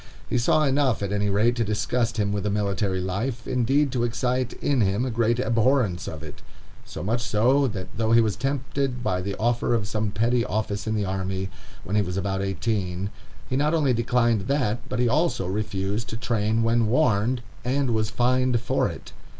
He saw enough, at any rate, to disgust him with a military life, indeed to excite in him a great abhorrence of it; so much so, that though he was tempted by the offer of some petty office in the army, when he was about eighteen, he not only declined that, but he also refused to train when warned, and was fined for it.